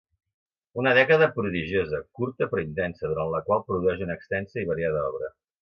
Una dècada prodigiosa, curta però intensa, durant la qual produeix una extensa i variada obra.